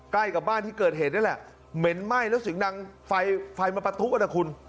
ใกล้กับบ้านที่เกิดเหตุนั่นแหละเหม็นไหม้แล้วเสียงดังไฟไฟมันปะทุกันนะคุณ